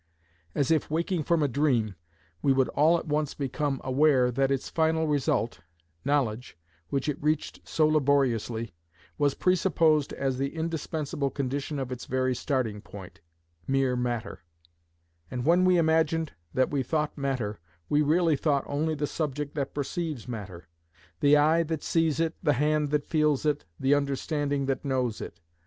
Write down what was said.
As if waking from a dream, we would all at once become aware that its final result—knowledge, which it reached so laboriously, was presupposed as the indispensable condition of its very starting point, mere matter; and when we imagined that we thought matter, we really thought only the subject that perceives matter; the eye that sees it, the hand that feels it, the understanding that knows it.